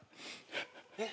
えっ？